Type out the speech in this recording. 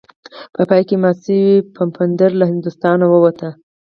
په پای کې مات شوی پفاندر له هندوستانه ووت.